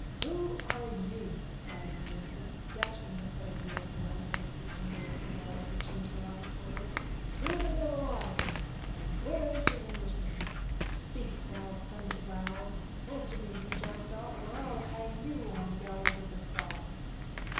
"Who are you?" cried Mason, dashing the head of the old man against the angle of the wall at each interrogatory. "Who the devil are you, and where is the Englishman? Speak, thou thundercloud! Answer me, you jackdaw, or I'll hang you on the gallows of the spy!"